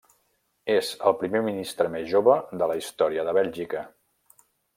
És el primer ministre més jove de la història de Bèlgica.